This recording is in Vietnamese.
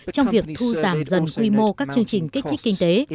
trong việc thu giảm dần quy mô các chương trình kích thích kinh tế